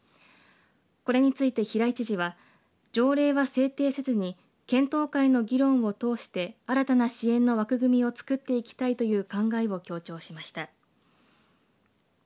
これについて平井知事は条例は制定せずに検討会の議論を通して新たな支援の枠組みをつくっていきたいという考えを強調しました。